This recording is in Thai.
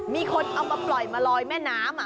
มีคนเอามาปล่อยมาลอยแม่น้ำ